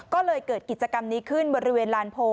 ก็เลยเกิดกิจกรรมนี้ขึ้นบริเวณลานโพ